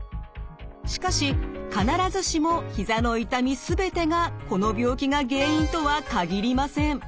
しかし必ずしもひざの痛み全てがこの病気が原因とは限りません。